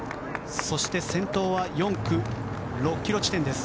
そして、先頭は４区６ｋｍ地点です。